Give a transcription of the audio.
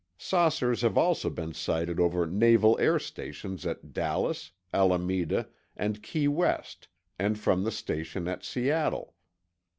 Saucers have also been sighted over naval air stations at Dallas, Alameda, and Key West, and from the station at Seattle.